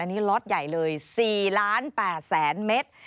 อันนี้ล็อตใหญ่เลย๔๘๐๐๐๐๐เมตร